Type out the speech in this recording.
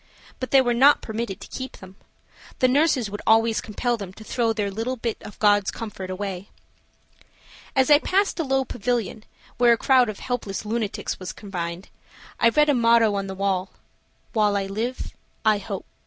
But they were not permitted to keep them. The nurses would always compel them to throw their little bit of God's comfort away. As I passed a low pavilion, where a crowd of helpless lunatics were confined, I read a motto on the wall, "While I live I hope."